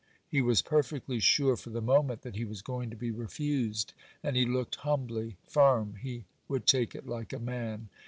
He was perfectly sure for the moment that he was going to be refused, and he looked humbly firm—he would take it like a man.